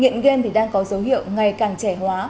nghiện game thì đang có dấu hiệu ngày càng trẻ hóa